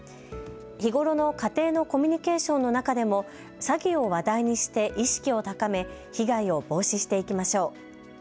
日頃の家庭のコミュニケーションの中でも詐欺を話題にして意識を高め被害を防止していきましょう。